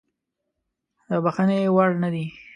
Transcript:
د بخښنې وړ نه دی.